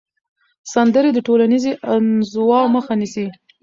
سندرې د ټولنیزې انزوا مخه نیسي.